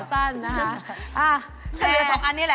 หน้าขาสั้นนะฮะ